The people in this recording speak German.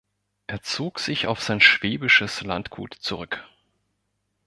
Er zog sich auf sein schwäbisches Landgut zurück.